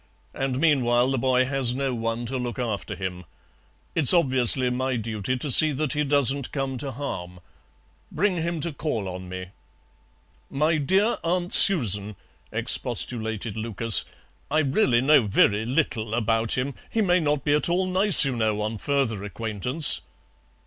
And meanwhile the boy has no one to look after him. It's obviously my duty to see that he doesn't come to harm. Bring him to call on me." "My dear Aunt Susan," expostulated Lucas, "I really know very little about him. He may not be at all nice, you know, on further acquaintance."